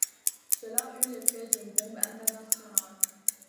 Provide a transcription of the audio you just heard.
Cela eut l'effet d'une bombe internationale.